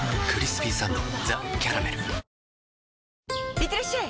いってらっしゃい！